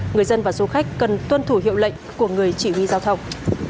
người dân và du khách cần tuân thủ hiệu lệnh của người chỉ huy giao thông